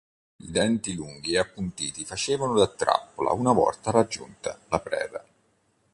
I denti lunghi e appuntiti facevano da trappola una volta raggiunta la preda.